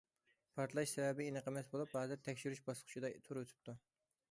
پارتلاش سەۋەبى ئېنىق ئەمەس بولۇپ، ھازىر تەكشۈرۈش باسقۇچىدا تۇرۇۋېتىپتۇ.